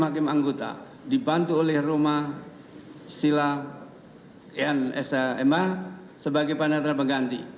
hakim anggota dibantu oleh rumah sila yang sma sebagai panadara pengganti